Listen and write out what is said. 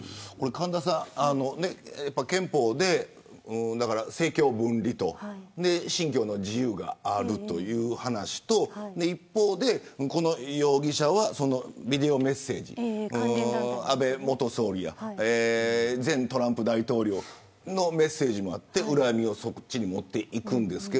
神田さん、憲法で政教分離と信教の自由があるという話と一方で、この容疑者はビデオメッセージ安倍元総理や前トランプ大統領のメッセージもあって恨みをそっちにもっていくんですが。